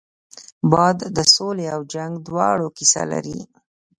باد د سولې او جنګ دواړو کیسه لري